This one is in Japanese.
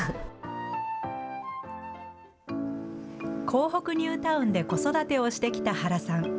港北ニュータウンで子育てをしてきた原さん。